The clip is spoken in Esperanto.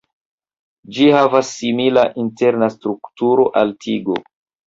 Ĝi havas simila interna strukturo al tigo.